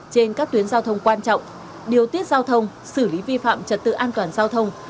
chuyến giao thông quan trọng điều tiết giao thông xử lý vi phạm trật tự an toàn giao thông